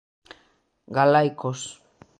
Galaicos.